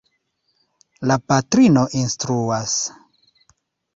La patrino instruas.